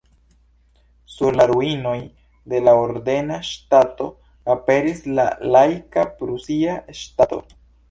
Sur la ruinoj de la ordena ŝtato aperis la laika prusia ŝtato.